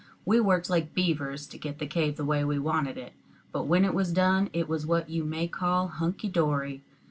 We worked like beavers to get the cave the way we wanted it; but when it was done, it was what you may call hunky dory.